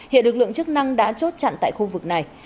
hiện lực lượng chức năng đã chốt chặn tại khu vực này